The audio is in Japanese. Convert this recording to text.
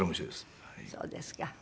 そうですか。